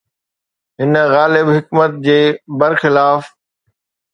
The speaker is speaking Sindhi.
هن غالب حڪمت جي برخلاف